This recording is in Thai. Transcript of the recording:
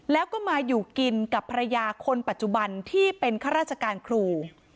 แล้วก็มาอยู่กินกับภรรยาคนปัจจุบันที่เป็นข้าราชการครู